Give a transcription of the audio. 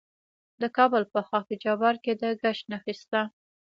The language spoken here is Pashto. د کابل په خاک جبار کې د ګچ نښې شته.